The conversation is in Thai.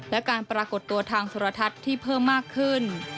และการปรากฏตัวทางโทรทัศน์ที่เพิ่มมากขึ้น